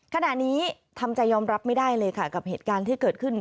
ขณะนี้ทำใจยอมรับไม่ได้เลยค่ะกับเหตุการณ์ที่เกิดขึ้น